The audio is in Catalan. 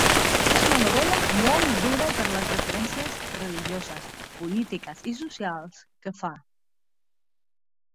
És una novel·la molt dura per les referències religioses, polítiques i socials que fa.